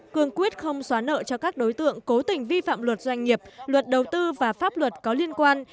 cương quyết không xóa nợ cho các đối tượng cố tình vi phạm luật doanh nghiệp luật đầu tư và pháp luật có liên quan